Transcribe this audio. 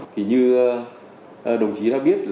thì như đồng chí đã biết